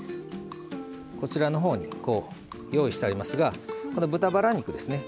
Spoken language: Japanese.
こちらのほうに用意してありますがこの豚バラ肉ですね